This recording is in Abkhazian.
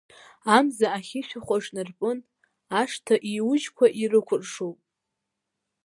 Амза ахьышәахәа ҿнарпын, ашҭа еиужьқәа ирықәыршоуп.